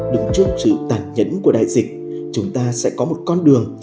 đứng trước sự tàn nhẫn của đại dịch chúng ta sẽ có một con đường